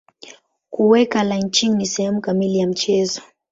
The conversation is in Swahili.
Kuweka lynching ni sehemu kamili ya mchezo.